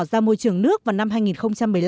ra môi trường nước vào năm hai nghìn một mươi năm